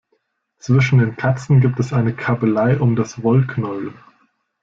Zwischen den Katzen gibt es eine Kabbelei um das Wollknäuel.